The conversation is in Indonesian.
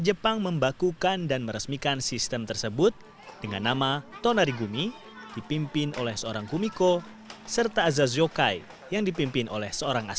jepang jawa tengah